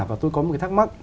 và tôi có một cái thắc mắc